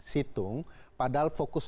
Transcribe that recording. situng padahal fokus